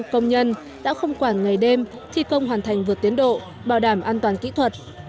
công nhân đã không quản ngày đêm thi công hoàn thành vượt tiến độ bảo đảm an toàn kỹ thuật